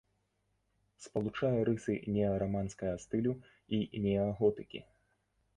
Спалучае рысы неараманскага стылю і неаготыкі.